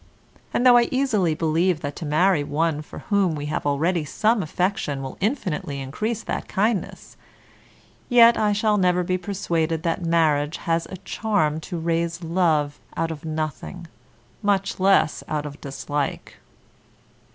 And though I easily believe that to marry one for whom we have already some affection will infinitely increase that kindness, yet I shall never be persuaded that marriage has a charm to raise love out of nothing, much less out of dislike.